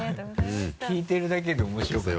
聞いてるだけで面白かった。